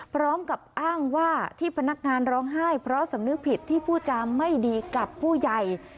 พร้อมกับอ้างว่าที่พนักงานร้องไห้เพราะสำนึกผิดที่พูดจาไม่ดีกับผู้ใหญ่